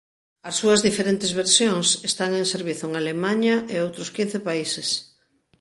As súas diferentes versións están en servizo en Alemaña e outros quince países.